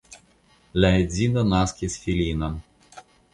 Li edzino naskis filinon.